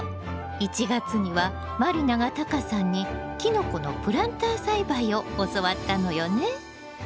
１月には満里奈がタカさんにキノコのプランター栽培を教わったのよね！